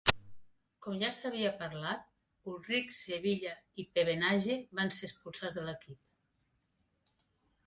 Com ja s'havia parlat, Ullrich, Sevilla i Pevenage van ser expulsats de l'equip.